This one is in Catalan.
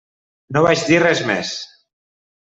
No vaig dir res més.